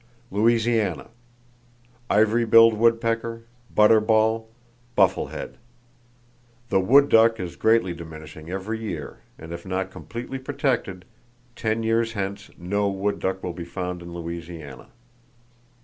Louisiana: Ivory billed woodpecker, butterball, bufflehead. The wood duck is greatly diminishing every year, and if not completely protected, ten years hence no wood duck will be found in Louisiana.